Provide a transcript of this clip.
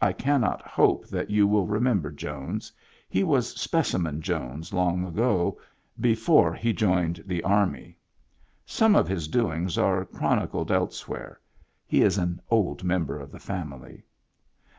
(I cannot hope that you will remember Jones. He was Specimen Jones long ago, before he joined the Army. Some of his doings are chronicled elsewhere. He is an old member of the family.)